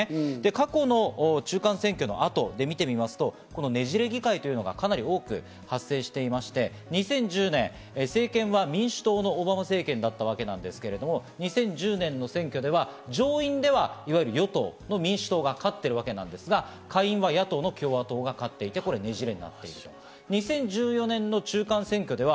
過去の中間選挙の後で見てみますと、このねじれ議会というのがかなり多く発生していまして、２０１０年、政権は民主党のオバマ政権だったわけですけれども、２０１０年の選挙では上院ではいわゆる与党・民主党が勝ってるわけですが、下院は野党の共和党が勝っていて、これはねじれ。